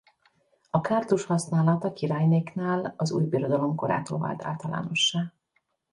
A kártus használata királynéknál az Újbirodalom korától vált általánossá.